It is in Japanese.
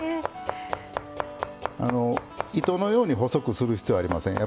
糸のように細くする必要ありません。